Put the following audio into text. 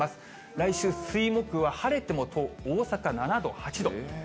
来週、水、木は晴れても大阪７度、８度。